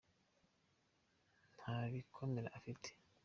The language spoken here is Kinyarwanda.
ntabikomere afite.